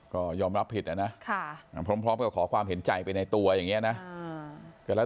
ก็ยอมรับผิดนะพร้อมกับขอความเห็นใจไปในตัวอย่างนี้นะ